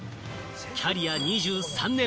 キャリア２３年。